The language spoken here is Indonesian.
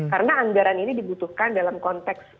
karena anggaran ini dibutuhkan dalam konteks